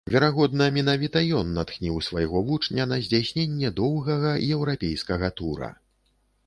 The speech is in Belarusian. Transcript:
Верагодна, менавіта ён натхніў свайго вучня на здзяйсненне доўгага еўрапейскага тура.